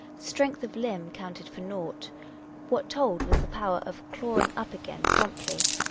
Strength of limb counted for naught ; what told was the power of "clawing up again" promptly.